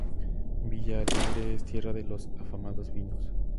Villa Alegre es tierra de afamados vinos.